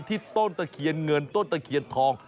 ต้นตะเคียนเงินต้นตะเคียนทอง